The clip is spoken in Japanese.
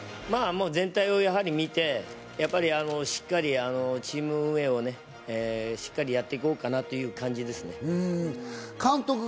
全体を見て、しっかりチーム運営をね、しっかりやって行こうかなという感じですね。